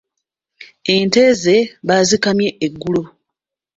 Ente ze baazikamye eggulo.